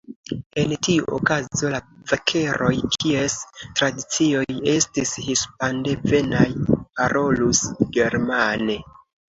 En tiu okazo, la vakeroj, kies tradicioj estis hispandevenaj, parolus germane.